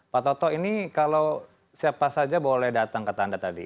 pak toto ini kalau siapa saja boleh datang ke tanda tadi